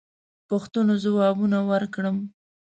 پوښتنو جوابونه ورکړم.